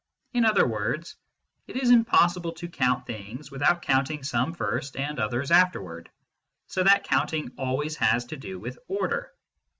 In other words, it is impossible to count things without counting some first and others afterwards, so that counting always has to do with order.